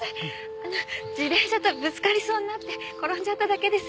あの自転車とぶつかりそうになって転んじゃっただけです。